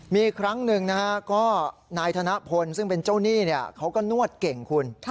มีครั้งหนึ่งนะฮะก็นายธนพลซึ่งเป็นเจ้าหนี้เขาก็นวดเก่งคุณ